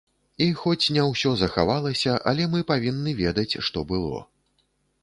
І хоць не ўсё захавалася, але мы павінны ведаць, што было.